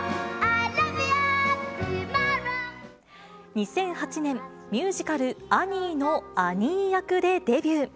２００８年、ミュージカル、アニーのアニー役でデビュー。